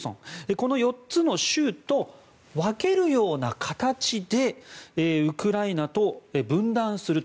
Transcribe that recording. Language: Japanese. この４つの州と分けるような形でウクライナと分断すると。